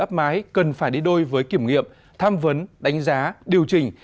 áp mái cần phải đi đôi với kiểm nghiệm tham vấn đánh giá điều chỉnh